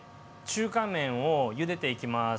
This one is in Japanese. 中華麺をゆでていきます。